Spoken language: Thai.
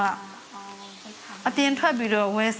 ท่านประธานครับนี่คือสิ่งที่สุดท้ายของท่านครับ